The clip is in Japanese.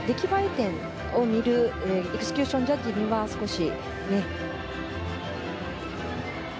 点を見るエクスキューションジャッジには少し。